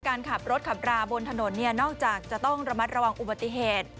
การขับรถขับราบนถนนเนี่ยนอกจากจะต้องระมัดระวังอุบัติเหตุ